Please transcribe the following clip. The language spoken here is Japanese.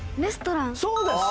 そうです！